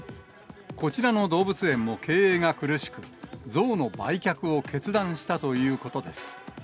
こちらの動物園も経営が苦しく、象の売却を決断したということです。